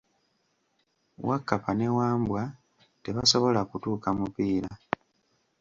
Wakkapa ne Wambwa tebasobola kutuuka mupiira.